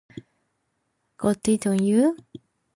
Got it on you?